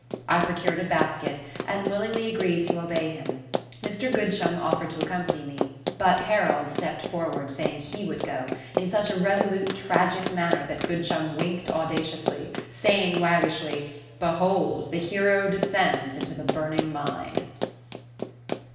I procured a basket, and willingly agreed to obey him. Mr Goodchum offered to accompany me, but Harold stepped forward saying he would go, in such a resolute tragic manner that Goodchum winked audaciously, saying waggishly, "Behold, the hero descends into the burning mine!"